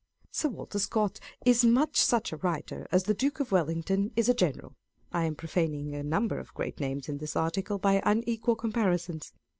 Sir Walter Scott is much such a writer as the Duke of Wellington is a General (I am profaning a number of great names in this article by unequal com parisons).